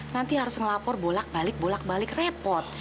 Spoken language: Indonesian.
nanti harus melapor bolak balik bolak balik repot